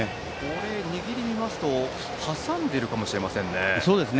握りを見ると挟んでいたかもしれませんね。